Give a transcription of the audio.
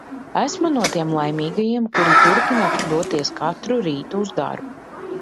Esmu no tiem laimīgajiem, kuri turpina doties katru rītu uz darbu.